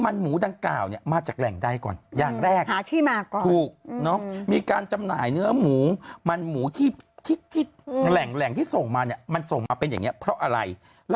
ถูกต้องตามกฎหมายหรือไม่